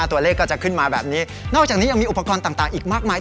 ตัวเลขก็จะขึ้นมาแบบนี้นอกจากนี้ยังมีอุปกรณ์ต่างอีกมากมาย